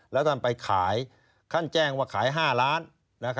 แล้วท่านไปขายท่านแจ้งว่าขาย๕ล้าน